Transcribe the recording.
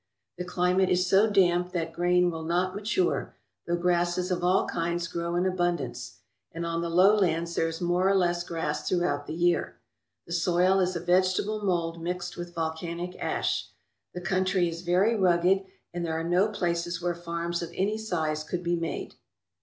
The climate is so damp that grain will not mature, though grasses of all kinds grow in abun dance, and on the lowlands there is more or less grass throughout the year. The soil is a vegetable mold mixed with volcanic ash. The country is very rugged, and there are no places where farms of any size could be made.